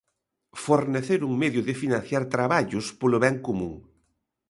Fornecer un medio de financiar traballos polo ben común.